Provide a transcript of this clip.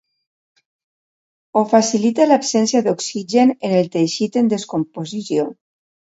Ho facilita l'absència d'oxigen en el teixit en descomposició.